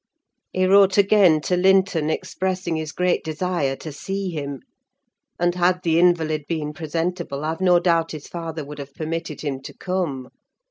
He wrote again to Linton, expressing his great desire to see him; and, had the invalid been presentable, I've no doubt his father would have permitted him to come.